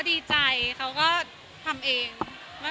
มีความสุขมากค่ะ